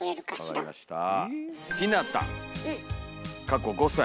はい分かりました。